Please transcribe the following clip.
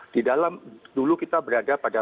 dulu kita berada pada